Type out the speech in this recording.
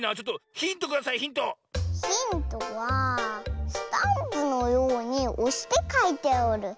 ヒントはスタンプのようにおしてかいておる。